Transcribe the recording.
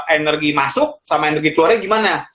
energi masuk sama energi keluarnya gimana